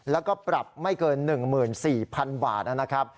แล้วก็ปรับไม่เกิน๑๔๐๐๐บาทนะครับ